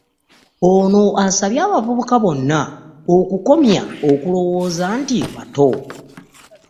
Ono asabye abavubuka bonna okukomya okulowooza nti bato